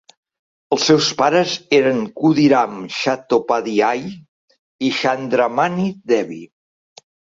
Els seus pares eren Khudiram Chattopadhyay i Chandramani Devi.